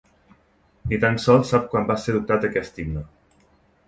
Ni tan sols se sap quan va ser adoptat aquest himne.